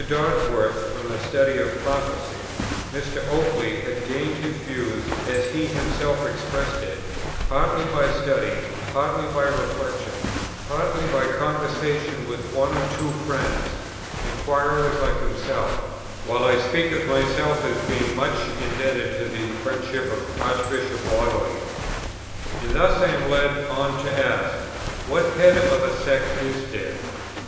Dodsworth from the study of Prophecy; Mr. Oakeley had gained his views, as he himself expressed it, "partly by study, partly by reflection, partly by conversation with one or two friends, inquirers like himself:" while I speak of myself as being "much indebted to the friendship of Archbishop Whately." And thus I am led on to ask, "What head of a sect is there?